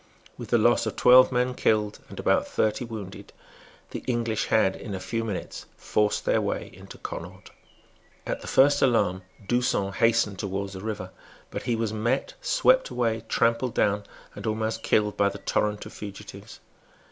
With the loss of twelve men killed and about thirty wounded the English had, in a few minutes, forced their way into Connaught. At the first alarm D'Usson hastened towards the river; but he was met, swept away, trampled down, and almost killed by the torrent of fugitives.